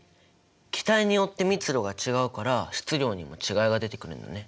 気体によって密度が違うから質量にも違いが出てくるんだね。